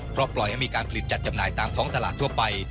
เพราะปล่อยให้มีการผลิตจัดจำหน่ายตามท้องตลาดทั่วไป